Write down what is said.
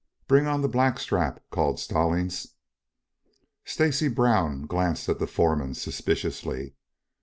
"Bring on the black strap," called Stallings. Stacy Brown glanced at the foreman suspiciously.